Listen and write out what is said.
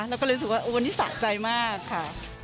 เราก็เลยรู้สึกว่าวันนี้สะใจมากค่ะ